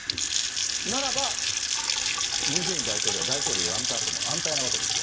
ならば、ムン・ジェイン大統領は大統領辞めたあとも安泰なわけですよ。